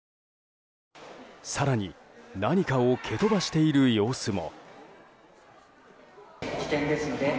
更に何かを蹴飛ばしている様子も。